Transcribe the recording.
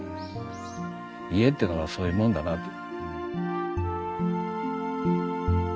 家っていうのはそういうもんだなあと。